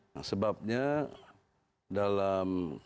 nah sebabnya dalam konteks ini